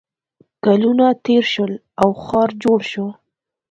کلونه تېر شول او ښار جوړ شو